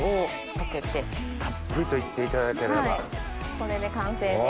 これで完成です。